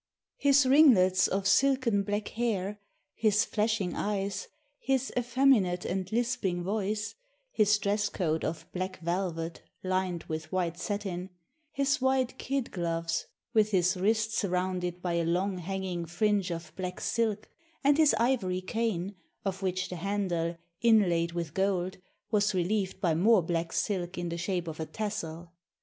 ] "His ringlets of silken black hair, his flashing eyes, his effeminate and lisping voice, his dress coat of black velvet lined with white satin, his white kid gloves with his wrist surrounded by a long hanging fringe of black silk, and his ivory cane, of which the handle, inlaid with gold, was relieved by more black silk in the shape of a tassel....